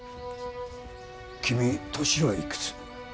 君年はいくつ？